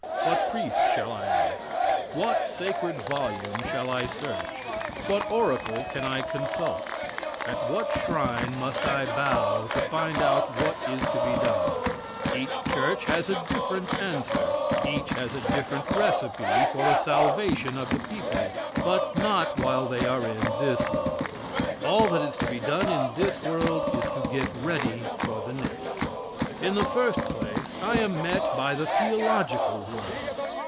What priest shall I ask? What sacred volume shall I search? What oracle can I consult? At what shrine must I bow to find out what is to be done? Each church has a different answer; each has a different recipe for the salvation of the people, but not while they are in this world. All that is to be done in this world is to get ready for the next. In the first place I am met by the theological world.